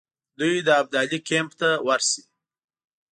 دوی د ابدالي کمپ ته ورسي.